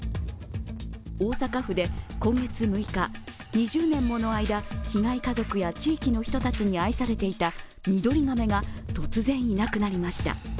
大阪府で今月６日、２０年もの間被害家族や地域の人たちに愛されていたミドリガメが突然いなくなりました。